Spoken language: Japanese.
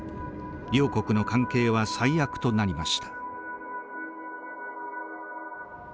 両国の関係は最悪となりました。